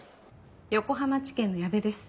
横浜地検の矢部です。